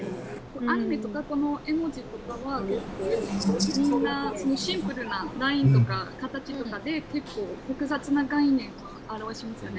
アニメとかこの絵文字とかは、みんなシンプルなラインとか形とかで、結構複雑な概念を表しますよね。